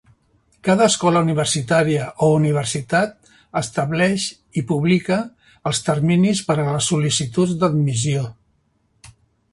Cada escola universitària o universitat estableix i publica els terminis per a les sol.licituds d'admissió.